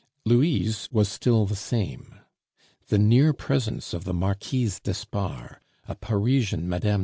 Louise was still the same. The near presence of the Marquise d'Espard, a Parisian Mme.